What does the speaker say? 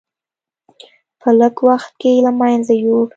په لږ وخت کې له منځه یووړ.